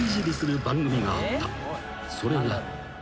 ［それが］